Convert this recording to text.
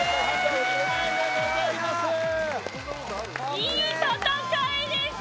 いい戦いでした。